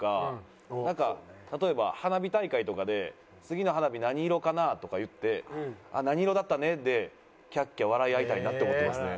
例えば花火大会とかで「次の花火何色かな？」とか言って「何色だったね」でキャッキャ笑い合いたいなって思ってますね。